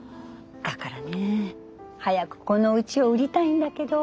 だからね早くこのうちを売りたいんだけど。